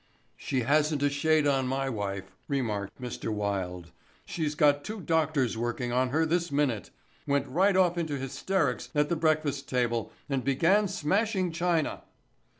"She hasn't a shade on my wife," remarked Mr. Wilde. "She's got two doctors working on her this minute. Went right off into hysterics at the breakfast table and began smashing china."